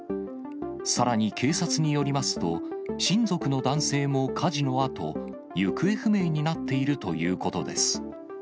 さらに警察によりますと、親族の男性も火事のあと、行方不明になっているということです。